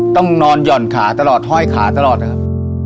ต้องนอนหย่อนขาตลอดห้อยขาตลอดนะครับ